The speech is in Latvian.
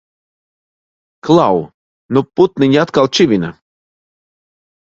Klau! Nu putniņi atkal čivina!